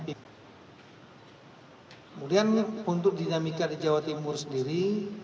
kemudian untuk dinamika di jawa timur sendiri